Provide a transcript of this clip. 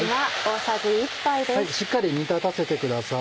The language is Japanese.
しっかり煮立たせてください。